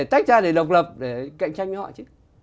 tách ra để độc lập để cạnh tranh với họ chứ